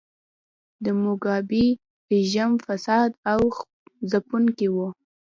د موګابي رژیم فاسد او ځپونکی و.